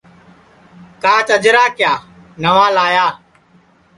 کاچ اجرا کیا نئوا لایا